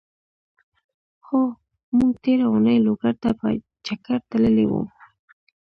هو! مونږ تېره اونۍ لوګر ته په چګر تللی وو.